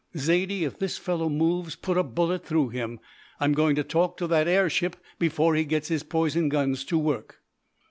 "Zaidie, if this fellow moves put a bullet through him. I'm going to talk to that air ship before he gets his poison guns to work."